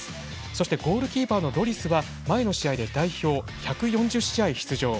そしてゴールキーパーのロリスは前の試合で代表１４０試合出場。